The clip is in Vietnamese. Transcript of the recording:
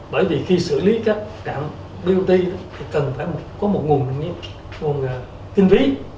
bởi vì khi xử lý các trạm bot thì cần phải có một nguồn kinh phí